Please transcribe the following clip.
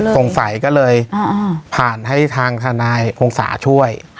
สงสัยก็เลยผ่านให้ทางทนายพงศาช่วย